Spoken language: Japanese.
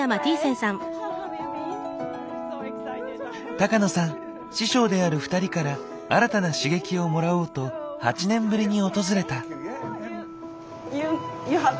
高野さん師匠である２人から新たな刺激をもらおうと８年ぶりに訪れた。